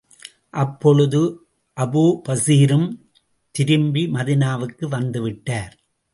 அப்பொழுது அபூபஸீரும் திரும்பி மதீனாவுக்கு வந்து விட்டார்.